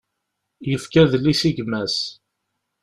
Yefka adlis i gma-s.